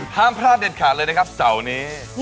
ห้ามพลาดเด็ดขาดเลยนะครับเสาร์นี้